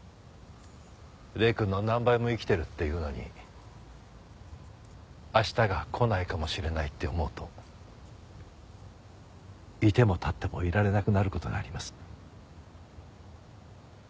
礼くんの何倍も生きてるっていうのに明日が来ないかもしれないって思うと居ても立ってもいられなくなる事があります。